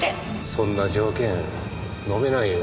そんな条件のめないよ。